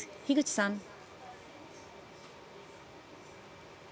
樋口さん。